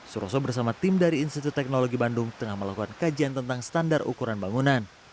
suroso bersama tim dari institut teknologi bandung tengah melakukan kajian tentang standar ukuran bangunan